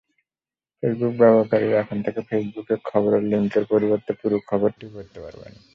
Facebook ব্যবহারকারীরা এখন থেকে ফেসবুকে খবরের লিংকের পরিবর্তে পুরো খবরটিই পড়তে পারবেন।